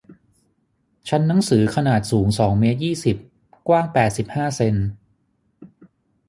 ชั้นหนังสือขนาดสูงสองเมตรยี่สิบ กว้างแปดสิบห้าเซ็น